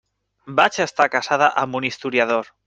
Vaig estar casada amb un historiador.